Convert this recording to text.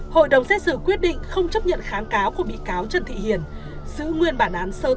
hội đồng xét xử quyết định không chấp nhận kháng cáo của bị cáo trần thị hiền giữ nguyên bản án sơ thẩm